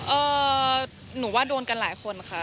หนูว่าโดนกันหลายคนค่ะ